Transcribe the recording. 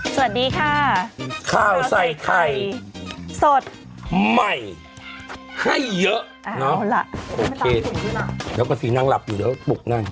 สวัสดีค่ะข้าวใส่ไข่สดใหม่ให้เยอะเอาล่ะโอเคแล้วก็สินั่งหลับอยู่เดี๋ยวปลุกนั่ง